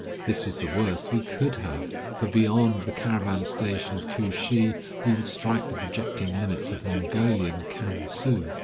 This was the worst we could have, for beyond the caravan station of Kooshee we would strike the projecting limits of Mongolian Kan su.